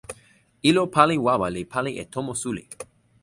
ilo pali wawa li pali e tomo suli.